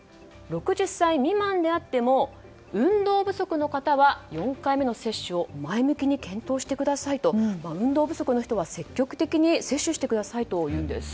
６０歳未満であっても運動不足の方は４回目の接種を前向きに検討してくださいと運動不足の人は積極的に接種してくださいというんです。